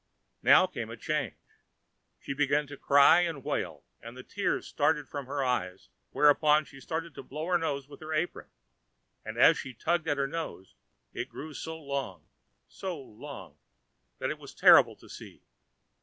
Now came a change. She began to cry and wail, and the tears started from her eyes, whereupon she began blowing her nose with her apron, and as she tugged at her nose it grew so long, so long, that it was terrible to see.